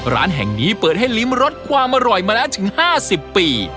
ร้านแห่งนี้เปิดให้ลิ้มรสความอร่อยมาแล้วถึง๕๐ปี